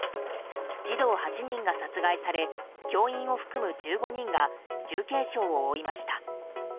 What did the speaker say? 児童８人が殺害され教員を含む１５人が重軽傷を負いました。